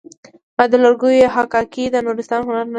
آیا د لرګیو حکاکي د نورستان هنر نه دی؟